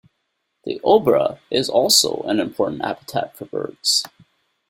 The Obra is also an important habitat for birds.